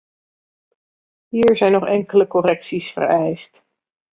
Hier zijn nog enkele correcties vereist.